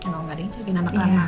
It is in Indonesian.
gak ada yang jadi anak lama